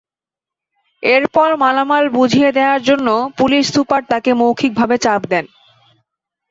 এরপর মালামাল বুঝিয়ে দেওয়ার জন্য পুলিশ সুপার তাঁকে মৌখিকভাবে চাপ দেন।